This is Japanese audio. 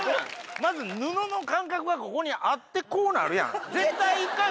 まず布の感覚がここにあってこうなるやん絶対１回は。